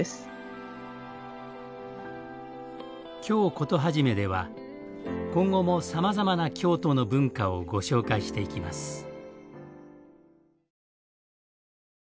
「京コトはじめ」では今後もさまざまな京都の文化をご紹介していきます。